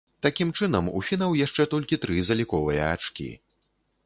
Такім чынам, у фінаў яшчэ толькі тры заліковыя ачкі.